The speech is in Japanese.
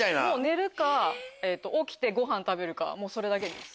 寝るか起きてごはん食べるかもうそれだけです。